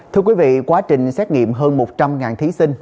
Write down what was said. thưa quý vị quá trình xét nghiệm hơn một trăm linh thí sinh